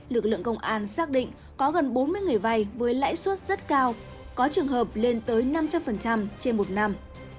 lực lượng công an xác định có gần bốn mươi người vay với lãi suất rất cao có trường hợp lên tới năm trăm linh trên một năm